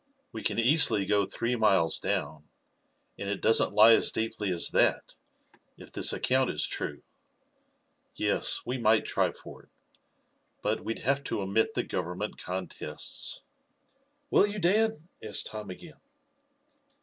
We can easily go three miles down, and it doesn't lie as deeply as that, if this account is true. Yes, we might try for it. But we'd have to omit the Government contests." "Will you, dad?" asked Tom again.